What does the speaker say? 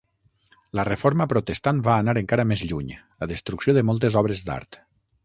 La Reforma protestant va anar encara més lluny, la destrucció de moltes obres d'art.